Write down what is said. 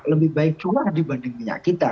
lebih baik curah dibanding minyak kita